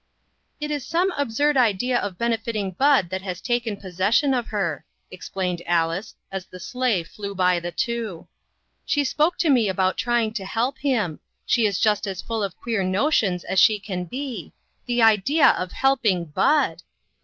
"It is some absurd idea of benefitting Bud that has taken possession of her," explained Alice, as the sleigh flew by the two. "She spoke to me about trying to help him. She is just as full of queer notions as she can be. The idea of helping Bud